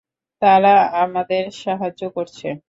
তারা আমাদের সাহায্য করছে।